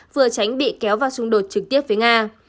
vừa tránh bị kéo vào xung đột trực tiếp với nga